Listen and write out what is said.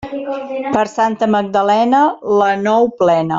Per Santa Magdalena, la nou plena.